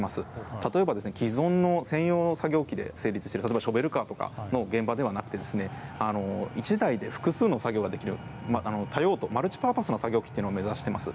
例えば既存の専用の作業機ショベルカーとかの現場ではなく１台で複数の作業ができる多用途、マルチパーパスの作業機を目指しています。